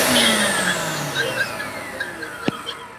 叙伊兹河畔讷伊。